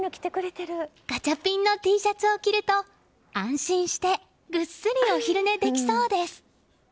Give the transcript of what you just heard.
ガチャピンのＴシャツを着ると安心してぐっすりお昼寝できそうです。